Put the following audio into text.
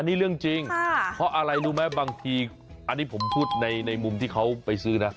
นี่เรื่องจริงเพราะอะไรรู้ไหมบางทีอันนี้ผมพูดในมุมที่เขาไปซื้อนะ